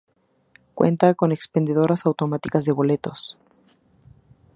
Cuenta con expendedoras automáticas de boletos.